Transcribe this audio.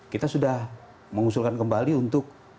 kita sudah mengusulkan kembali untuk